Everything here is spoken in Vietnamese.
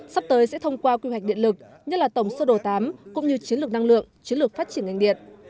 sắp tới sẽ thông qua quy hoạch điện lực như là tổng sơ đồ tám cũng như chiến lược năng lượng chiến lược phát triển ngành điện